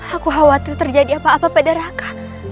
aku khawatir terjadi apa apa pada raka